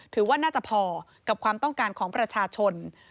ถือว่าน่าจะพอกับความต้องการของประชาชน